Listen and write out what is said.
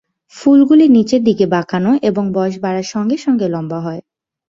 ফুলগুলি নিচের দিকে বাঁকানো এবং বয়স বাড়ার সঙ্গে সঙ্গে লম্বা হয়।